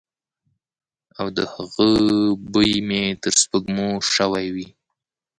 او د هغه بوی مې تر سپوږمو شوی وی.